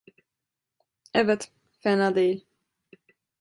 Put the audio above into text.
Evet, fena değil.